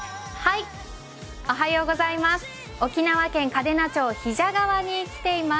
沖縄県、嘉手納町比謝川に来ています